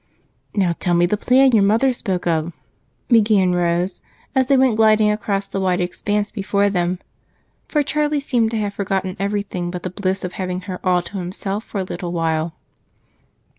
"Now tell me the plan your mother spoke of," began Rose as they went gliding across the wide expanse before them, for Charlie seemed to have forgotten everything but the bliss of having her all to himself for a little while.